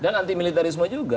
dan anti militarisme juga